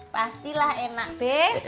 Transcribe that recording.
pastilah enak be